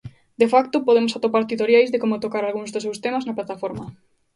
De facto, podemos atopar titoriais de como tocar algúns dos seus temas na plataforma.